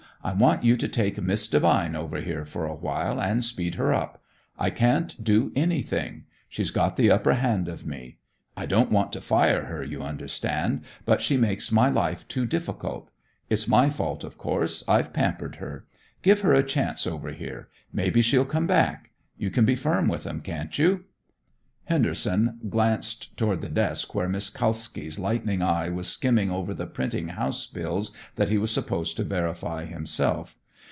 I want you to take Miss Devine over here for a while and speed her up. I can't do anything. She's got the upper hand of me. I don't want to fire her, you understand, but she makes my life too difficult. It's my fault, of course. I've pampered her. Give her a chance over here; maybe she'll come back. You can be firm with 'em, can't you?" Henderson glanced toward the desk where Miss Kalski's lightning eye was skimming over the printing house bills that he was supposed to verify himself.